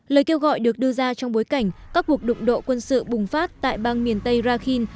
lời kêu gọi được đưa ra trong bối cảnh các cuộc đụng độ quân sự bùng phát tại bang miền tây rakhin